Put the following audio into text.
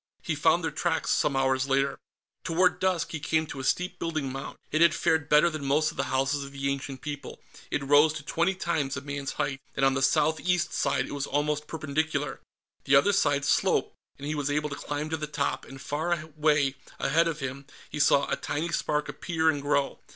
He found their tracks, some hours later. Toward dusk, he came to a steep building mound. It had fared better than most of the houses of the ancient people; it rose to twenty times a man's height and on the south east side it was almost perpendicular. The other side sloped, and he was able to climb to the top, and far away, ahead of him, he saw a tiny spark appear and grow.